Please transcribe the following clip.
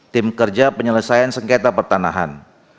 tim kerja penyelesaian sengketa pertanahan